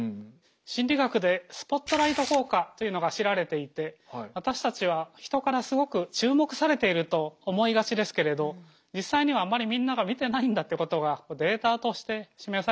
心理学でスポットライト効果というのが知られていて私たちは人からすごく注目されていると思いがちですけれど実際にはあんまりみんなが見てないんだってことがデータとして示されています。